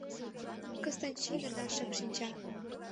Кыстынчий гына шып шинча.